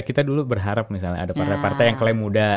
kita dulu berharap misalnya ada partai partai yang klaim muda